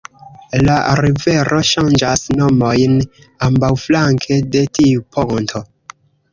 La rivero ŝanĝas nomojn ambaŭflanke de tiu ponto.